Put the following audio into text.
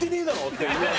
っていう。